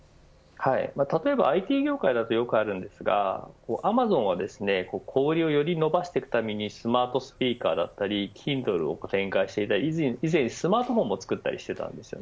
例えばＩＴ業界だとよくあるんですがアマゾンは小売りをより伸ばしていくためにスマートスピーカーだったりＫｉｎｄｌｅを展開していたり以前、スマートフォンも作ったりしていたんです。